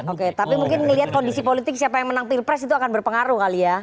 oke tapi mungkin melihat kondisi politik siapa yang menang pilpres itu akan berpengaruh kali ya